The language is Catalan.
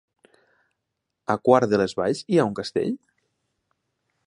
A Quart de les Valls hi ha un castell?